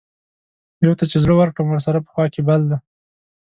يو ته چې زړۀ ورکړم ورسره پۀ خوا کښې بل دے